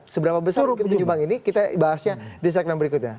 seberapa besar rukit penyumbang ini kita bahasnya di segmen berikutnya